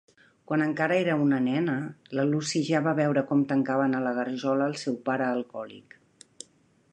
Quan encara era una nena, la Lucy ja va veure com tancaven a la garjola el seu pare alcohòlic.